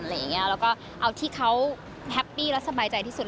แล้วก็เอาที่เขาแฮปปี้และสบายใจที่สุด